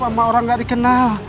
sama orang gak dikenal